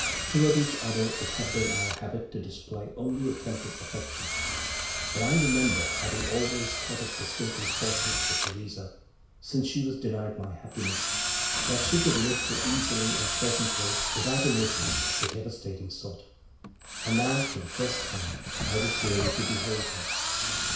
Toward each other it had been our habit to display only a temperate affection, and I remember having always thought it distinctly fortunate for Theresa, since she was denied my happiness, that she could live so easily and pleasantly without emotions of the devastating sort.... And now, for the first time, I was really to behold her....